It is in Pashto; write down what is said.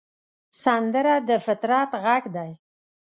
سندره د فطرت غږ دی